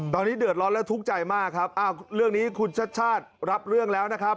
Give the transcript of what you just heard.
ตอนนี้เดือดร้อนและทุกข์ใจมากครับอ้าวเรื่องนี้คุณชาติชาติรับเรื่องแล้วนะครับ